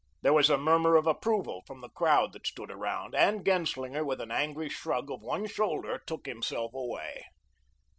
There was a murmur of approval from the crowd that stood around, and Genslinger, with an angry shrug of one shoulder, took himself away.